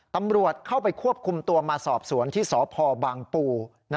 ตำรวจเข้าไปควบคุมตัวมาสอบสวนที่สพบางปู